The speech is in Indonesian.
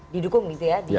didukung gitu ya